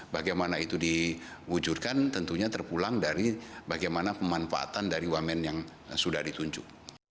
bagaimana itu diwujudkan tentunya terpulang dari bagaimana pemanfaatan dari wamen yang sudah ditunjuk